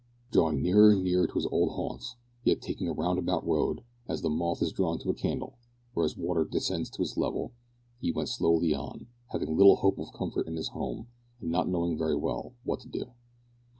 Drawing nearer and nearer to his old haunts, yet taking a roundabout road, as the moth is drawn to the candle, or as water descends to its level, he went slowly on, having little hope of comfort in his home, and not knowing very well what to do.